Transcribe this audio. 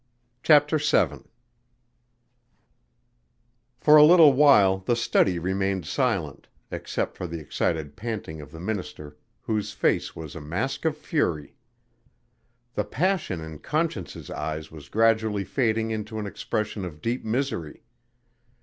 CHAPTER VII For a little while the study remained silent, except for the excited panting of the minister, whose face was a mask of fury. The passion in Conscience's eyes was gradually fading into an expression of deep misery.